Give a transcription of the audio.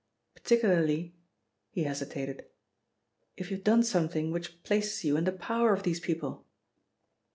Particularly," he hesitated, "if you have done something which places you in the power of these people."